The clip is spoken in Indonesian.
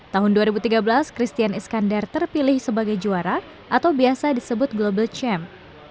tahun dua ribu tiga belas christian iskandar terpilih sebagai juara atau biasa disebut global champ